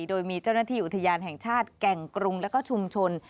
โดยมีเจ้าหน้าที่อุทยานแห่งชาติแก่งกรุงแล้วก็ชุมชน